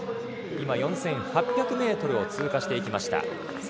４８００ｍを通過していきました。